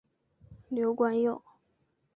刘冠佑。